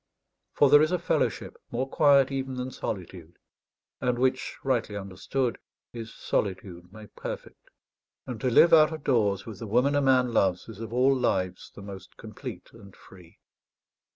For there is a fellowship more quiet even than solitude, and which rightly understood, is solitude made perfect. And to live out of doors with the woman a man loves is of all lives the most complete and free.